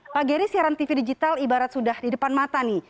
pak geri siaran tv digital ibarat sudah di depan mata nih